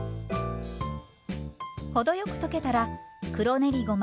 程よく溶けたら黒練りごま